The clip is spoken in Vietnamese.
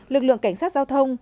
lực lượng cảnh sát giao thông